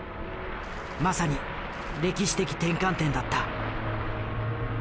まさに歴史的転換点だった。